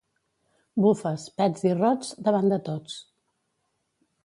Bufes, pets i rots, davant de tots.